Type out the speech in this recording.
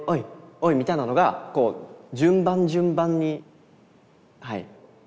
みたいなのがこう順番順番にはい。